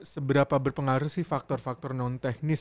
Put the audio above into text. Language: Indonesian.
seberapa berpengaruh sih faktor faktor non teknis